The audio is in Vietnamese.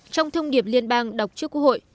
trong thông điệp liên bang đọc trước quốc hội